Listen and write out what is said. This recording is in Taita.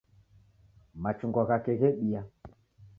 Machungwa ghake ghebia